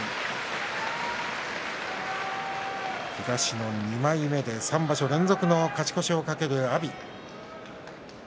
東の２枚目で３場所連続の勝ち越しを懸ける阿炎。